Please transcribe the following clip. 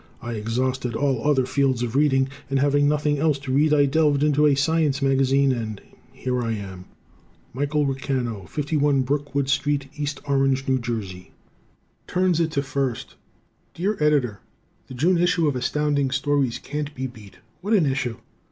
I exhausted all other fields of reading, and having nothing else to read I delved into a science magazine and here I am. Michael Racano, 51 Brookwood St., East Orange, N. J. Turns to It First Dear Editor: The June issue of Astounding Stories can't be beat. What an issue!